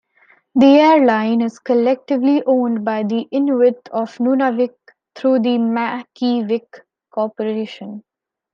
The airline is collectively owned by the Inuit of Nunavik through the Makivik Corporation.